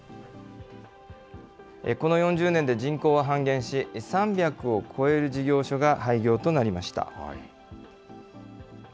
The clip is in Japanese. この４０年で人口は半減し、３００を超える事業所が廃業となりました。